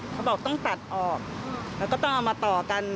เขาบอกต้องตัดออกแล้วก็ต้องเอามาต่อกัน